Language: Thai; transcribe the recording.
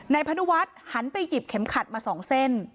พนุวัฒน์หันไปหยิบเข็มขัดมา๒เส้น